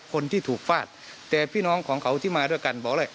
คนที่ถูกฟาดแต่พี่น้องของเขาที่มาด้วยกันบอกเลย